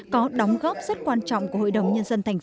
có đóng góp rất quan trọng của hội đồng nhân dân tp hà nội